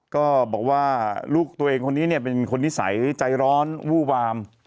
ก็บอกว่าลูกตัวเองคนนี้เป็นคนนิสัยใจร้อนวู้วาม